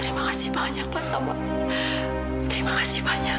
terima kasih banyak pak tomo terima kasih banyak